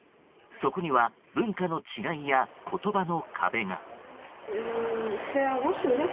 そこには文化の違いや言葉の壁が。